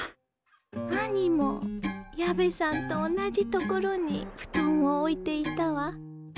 兄も矢部さんと同じ所に布団を置いていたわ。